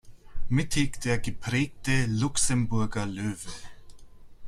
Mittig der geprägte Luxemburger Löwe.